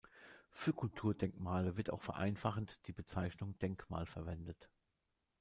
Für Kulturdenkmale wird auch vereinfachend die Bezeichnung "Denkmal" verwendet.